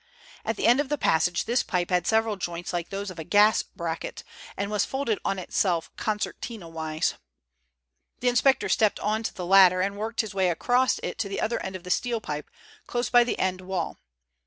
At the end of the passage this pipe had several joints like those of a gas bracket, and was folded on itself concertina wise. The inspector stepped on to the ladder and worked his way across it to the other end of the steel pipe, close by the end wall.